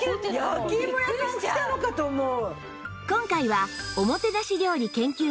焼きいも屋さん来たのかと思う！